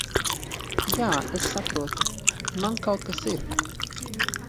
Jā, es saprotu. Man kaut kas ir...